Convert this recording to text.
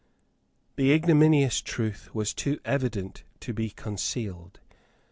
The ignominious truth was too evident to be concealed.